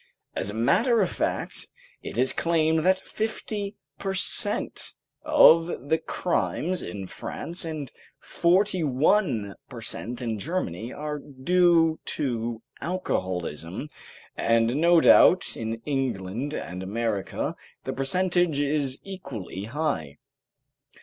As a matter of fact, it is claimed that fifty per cent. of the crimes in France and forty one per cent. in Germany are due to alcoholism, and no doubt in England and America the percentage is equally high.